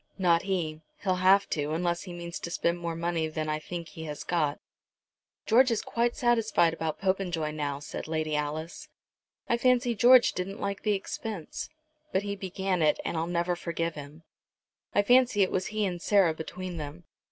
"Not he. He'll have to, unless he means to spend more money than I think he has got." "George is quite satisfied about Popenjoy now," said Lady Alice. "I fancy George didn't like the expense. But he began it, and I'll never forgive him. I fancy it was he and Sarah between them.